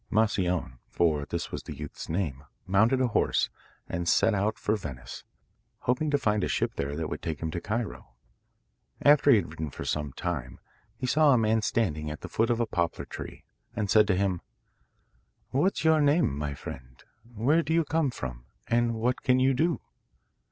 Moscione, for this was the youth's name, mounted a horse, and set out for Venice, hoping to find a ship there that would take him to Cairo. After he had ridden for some time he saw a man standing at the foot of a poplar tree, and said to him: 'What's your name, my friend; where do you come from, and what can you do?